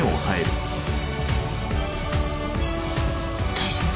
大丈夫？